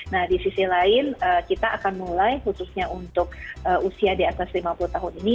nah di sisi lain kita akan mulai khususnya untuk usia di atas lima puluh tahun ini